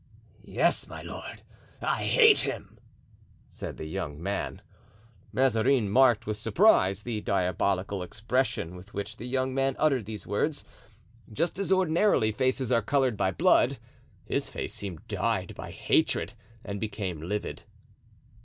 "Yes, my lord, I hate him!" said the young man. Mazarin marked with surprise the diabolical expression with which the young man uttered these words. Just as, ordinarily, faces are colored by blood, his face seemed dyed by hatred and became livid.